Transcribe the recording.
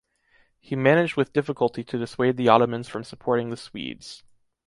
He managed with difficulty to dissuade the Ottomans from supporting the Swedes.